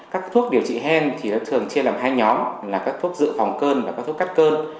các thuốc điều trị hen thì đã thường chia làm hai nhóm là các thuốc dự phòng cơn và các thuốc cắt cơn